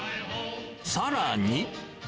さらに。